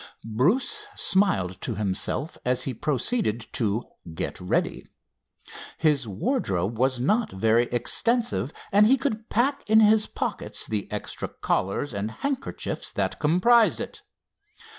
Bruce smiled to himself as he proceeded to "get ready." His wardrobe was not very extensive, and he could pack in his pockets the extra collars and handkerchiefs that comprised it.